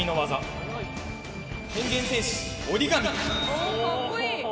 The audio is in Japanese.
おっかっこいい！